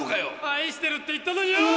愛してるって言ったのによ。